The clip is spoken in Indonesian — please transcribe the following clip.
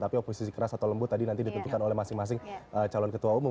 tapi oposisi keras atau lembut tadi nanti ditentukan oleh masing masing calon ketua umum